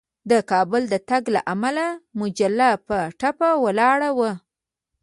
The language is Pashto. د کابل د تګ له امله مجله په ټپه ولاړه وه.